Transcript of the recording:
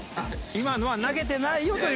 「今のは投げてないよ」という。